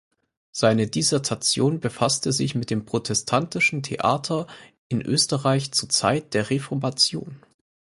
Seine Dissertation befasste sich mit dem protestantischen Theater in Österreich zur Zeit der Reformation.